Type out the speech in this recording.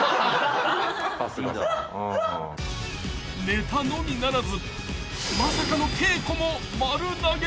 ［ネタのみならずまさかの稽古も丸投げ］